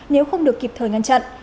nếu không được kịp thời ngăn chặn